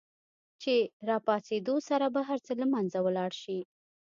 چې په را پاڅېدو سره به هر څه له منځه ولاړ شي.